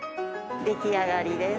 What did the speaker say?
出来上がりです。